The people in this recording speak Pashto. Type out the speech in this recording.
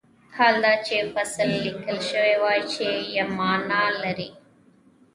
حال دا چې فصیل لیکل شوی وای چې معنی لري.